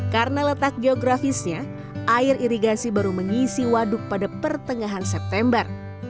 karena letak geografisnya air irigasi baru mengisi waduk pada pertengahan september